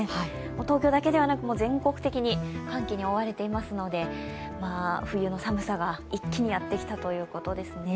東京だけではなく、全国的に寒気に覆われていますので、冬の寒さが一気にやってきたということですね。